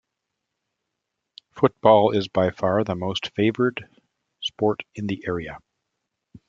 Football is by far the most favoured sport in the area.